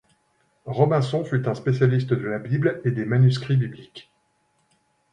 Robinson fut un spécialiste de la Bible et des manuscrits bibliques.